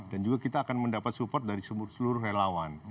dan juga kita akan mendapat support dari seluruh relawan